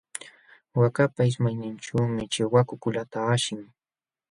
Waakapa ismayninćhuumi chiwaku kuluta ashin.